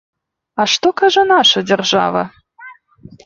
А што кажа наша дзяржава?